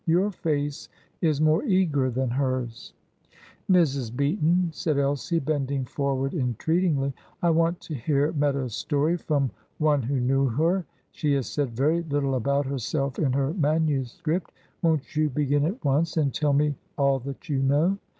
Your face is more eager than hers." "Mrs. Beaton," said Elsie, bending forward entreatingly, "I want to hear Meta's story from one who knew her. She has said very little about herself in her manuscript. Won't you begin at once, and tell me all that you know?"